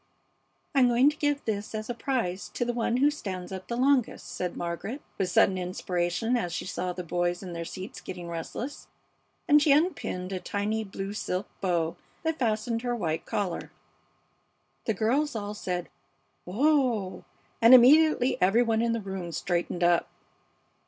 "I'm going to give this as a prize to the one who stands up the longest," said Margaret, with sudden inspiration as she saw the boys in their seats getting restless; and she unpinned a tiny blue silk bow that fastened her white collar. The girls all said "Oh h h!" and immediately every one in the room straightened up.